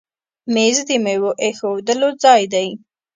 مېز د میوو ایښودلو ځای دی.